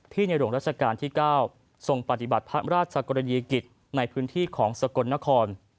ในหลวงราชการที่๙ทรงปฏิบัติพระราชกรณียกิจในพื้นที่ของสกลนคร